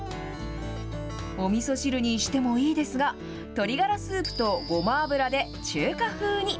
おみそ汁にしてもいいですが、鶏ガラスープとごま油で中華風に。